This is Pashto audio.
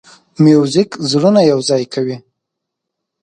موزیک زړونه یوځای کوي.